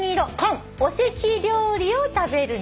「おせち料理を食べるなら」？